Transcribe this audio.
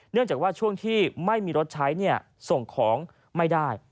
จากว่าช่วงที่ไม่มีรถใช้ส่งของไม่ได้